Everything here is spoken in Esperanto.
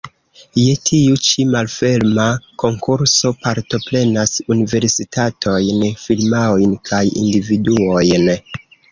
Je tiu ĉi malferma konkurso partoprenas universitatojn, firmaojn kaj individuojn.